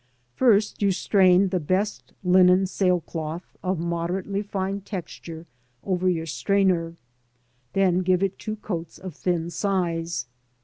First you strain the best linen sail cloth of moderately fine EQUIPMENT. 9 texture over your strainer, then give it two coats of thin size.